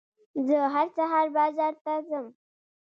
زه هر سهار بازار ته ځم.